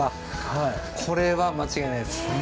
これは間違いない！